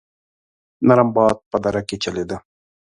نرم باد په دره کې چلېده.